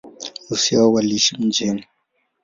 Nusu yao waliishi mjini.